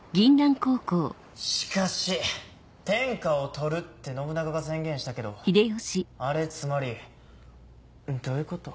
しかし天下を獲るって信長が宣言したけどあれつまりどういうこと？